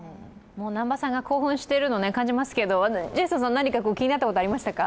南波さんが興奮してるのを感じますけれども、ジェイソンさん何か気になったことありましたか？